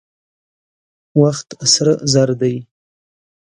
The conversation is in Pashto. وخت سره زر دي.